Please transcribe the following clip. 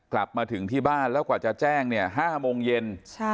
กลับมาถึงที่บ้านแล้วกว่าจะแจ้งเนี่ย๕โมงเย็น